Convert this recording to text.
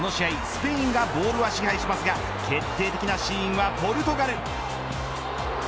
スペインがボールは支配しますが決定的なシーンはポルトガル。